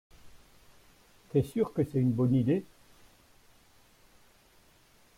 T'es sûr que c'est une bonne idée.